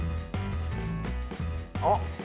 あっ。